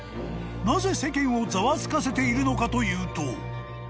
［なぜ世間をざわつかせているのかというと］